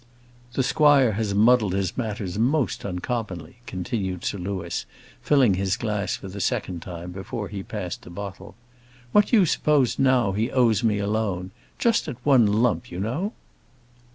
"The squire has muddled his matters most uncommonly," continued Sir Louis, filling his glass for the second time before he passed the bottle. "What do you suppose now he owes me alone; just at one lump, you know?"